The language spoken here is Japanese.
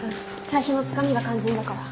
最初のつかみが肝心だから。